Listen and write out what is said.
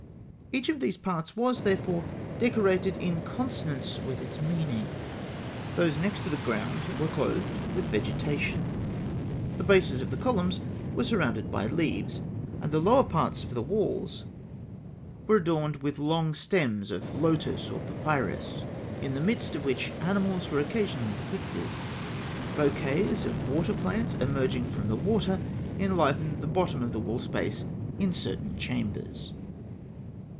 Each of these parts was, therefore, decorated in consonance with its meaning. Those next to the ground were clothed with vegetation. The bases of the columns were surrounded by leaves, and the lower parts of the walls were adorned with long stems of lotus or papyrus (fig. 96), in the midst of which animals were occasionally depicted. Bouquets of water plants emerging from the water (fig. 97), enlivened the bottom of the wall space in certain chambers.